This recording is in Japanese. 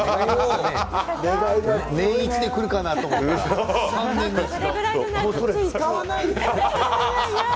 年イチでくるかなと思ったら、３年ですか。